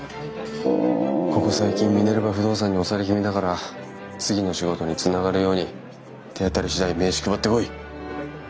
ここ最近ミネルヴァ不動産に押され気味だから次の仕事につながるように手当たり次第名刺配ってこい！